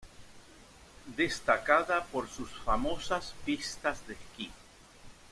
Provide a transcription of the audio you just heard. Destacada por sus famosas pistas de esquí.